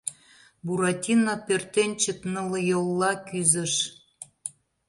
Буратино пӧртӧнчык нылйола кӱзыш.